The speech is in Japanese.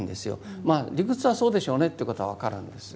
まあ理屈はそうでしょうねっていうことは分かるんです。